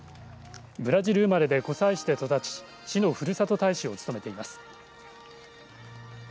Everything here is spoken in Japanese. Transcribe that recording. ブラジル生まれで湖西市で育ち市のふるさと大使を務めています。